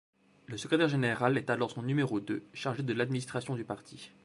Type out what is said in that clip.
Le secrétaire général est alors son numéro deux, chargé de l'administration du parti.